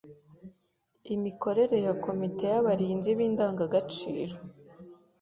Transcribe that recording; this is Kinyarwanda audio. Imikorere ya komite y’abarinzi b’indangagaciro